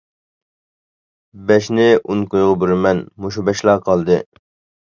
بەشنى ئون كويغا بېرىمەن، مۇشۇ بەشلا قالدى.